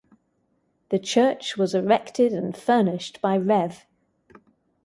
The church was erected and furnished by Rev.